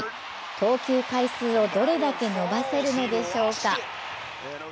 投球回数をとれだけ伸ばせるのでしょうか。